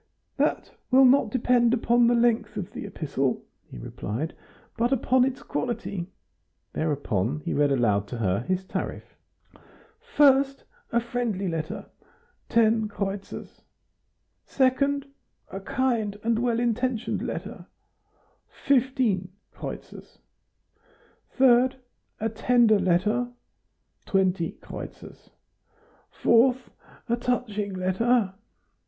"That will not depend upon the length of the epistle," he replied, "but upon its quality." Thereupon he read aloud to her his tariff. 1st. A friendly letter ................... 10 kreutzers 2d. A kind and well intentioned letter ... 15 " 3d. A tender letter ...................... 20 " 4th. A touching letter